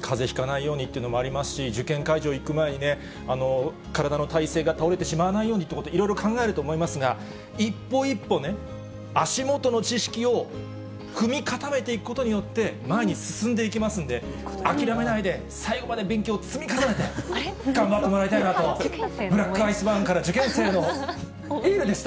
かぜひかないようにということもありますし、受験会場行く前にね、体の体勢が倒れてしまわないようにということで、いろいろ考えると思いますが、一歩一歩ね、足元の知識を踏み固めていくことによって、前に進んでいきますので、諦めないで、最後まで勉強を積み重ねて、頑張ってもらいたいなと、ブラックアイスバーンから受験生へのエールでした。